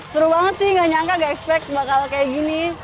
seru banget sih gak nyangka gak expect bakal kayak gini